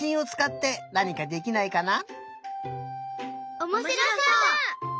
おもしろそう！